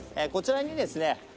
こちらにですね